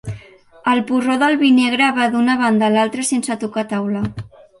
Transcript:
El porró del vi negre va d'una banda a l'altra sense tocar taula.